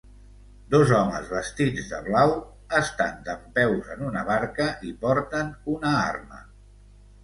Dos homes vestits de blau estan dempeus en una barca i porten una arma.